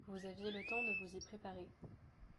Vous aviez le temps de vous y préparer.